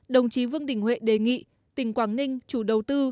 đồng chí vương đình huệ đề nghị tỉnh quảng ninh chủ đầu tư